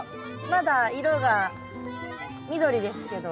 まだ色が緑ですけど。